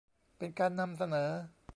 เป็นการนำเสนอ